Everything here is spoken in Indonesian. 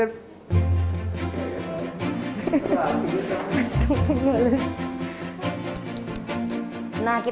masih tengah ngelus